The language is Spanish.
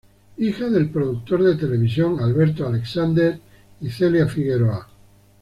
Hija del productor de televisión Alberto Alexander y Celia Figueroa.